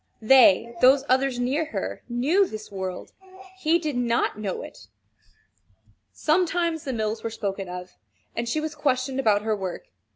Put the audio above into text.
They those others near her, knew this world. He did not know it. Sometimes the mills were spoken of, and she was questioned about her work.